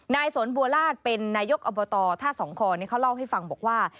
สนบัวลาศเป็นนายกอบตท่าสองคอเขาเล่าให้ฟังบอกว่า